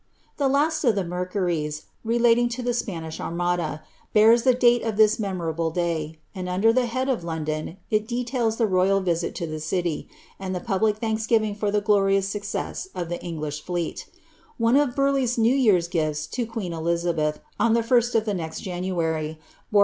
The last of the Mercuries, relating to the Spanish Armada, bears the date of this memorable day, and under the head of London, it details the rojral visit to the city, and the public thanksgiving for the glorious suc cess of the English fleet One of Burleigh's new year's gifts to queen Bizabeth, on the first of the next January, bore reference to the victory.